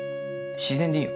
自然でいいよ。